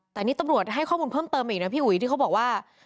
แต่นี่ตำรวจให้ข้อมูลเพิ่มเติมอีกนะพี่อุ๋ยที่เขาบอกว่า